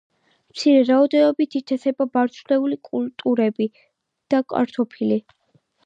მცირე რაოდენობით ითესება მარცვლეული კულტურები და კარტოფილი.